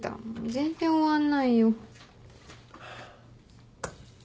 全然終わんないよ。